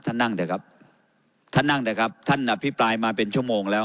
นั่งเถอะครับท่านนั่งเถอะครับท่านอภิปรายมาเป็นชั่วโมงแล้ว